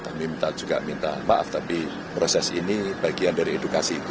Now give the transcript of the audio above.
saya juga minta maaf tapi proses ini bagian dari edukasi itu